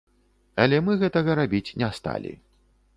Але мы гэтага рабіць не сталі.